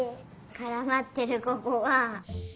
からまってるここが。